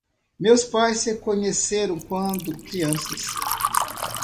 Meus pais se conheceram quando crianças.